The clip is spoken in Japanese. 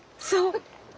そう！